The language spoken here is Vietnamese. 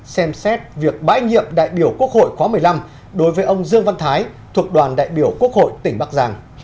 xem xét việc bãi nhiệm đại biểu quốc hội khóa một mươi năm đối với ông dương văn thái thuộc đoàn đại biểu quốc hội tỉnh bắc giang